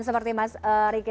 seperti mas riki